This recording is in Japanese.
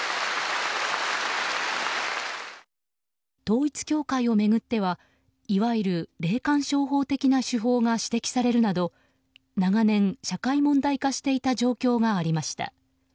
統一教会を巡ってはいわゆる霊感商法的な手法が指摘されるなど長年、社会問題化していた状況がありました。